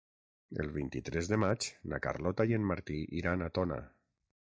El vint-i-tres de maig na Carlota i en Martí iran a Tona.